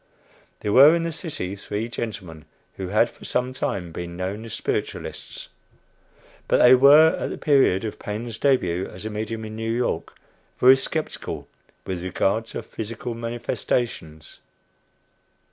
There were in the city three gentlemen who had, for some time, been known as spiritualists; but they were, at the period of Paine's début as a medium in New York, very skeptical with regard to "physical manifestations."